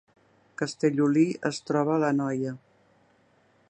Castellolí es troba a l’Anoia